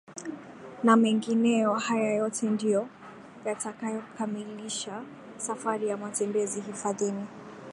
na mengineyo haya yote ndio yatakayokamilisha safari ya matembezi hifadhini